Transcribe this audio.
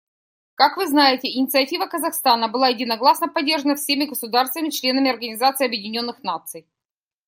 Как вы знаете, инициатива Казахстана была единогласно поддержана всеми государствами — членами Организации Объединенных Наций.